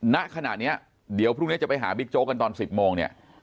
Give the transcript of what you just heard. ณขณะนี้เดี๋ยวพรุ่งนี้จะไปหาบิ๊กโจ๊กกันตอน๑๐โมงเนี่ย